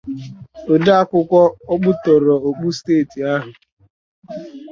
odeakwụkwọ ọkpụtọrọkpụ steeti ahụ